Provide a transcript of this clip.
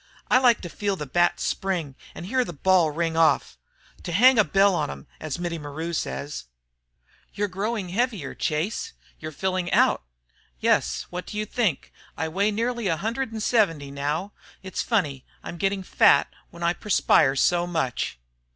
I like to feel the bat spring and hear the ball ring off. To 'hang a bell on 'em,' as Mittie maru says." "You 're growing heavier, Chase. You're filling out." "Yes, what do you think? I weigh nearly a hundred and seventy now. It's funny I'm getting fat, when I perspire so much."